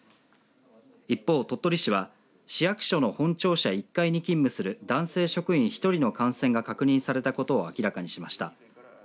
一方、鳥取市は市役所の本庁舎１階に勤務する男性職員１人の感染が確認されたことを明らかにしました。